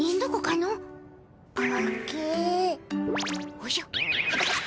おじゃ？